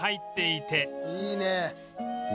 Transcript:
いいね。